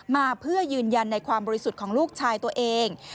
มาเพื่อยืนยันในความบริสุทธิ์ของลูกชายตัวเอง